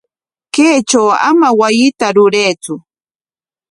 Kaytraw ama wasita ruraytsu.